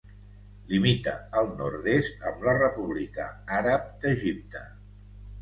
Limita al nord-est amb la República Àrab d'Egipte.